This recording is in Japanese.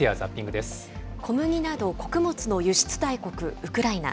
小麦など、穀物の輸出大国、ウクライナ。